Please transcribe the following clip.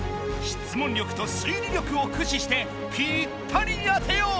質問力と推理力をくししてぴったり当てよう！